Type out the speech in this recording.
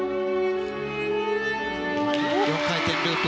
４回転ループ。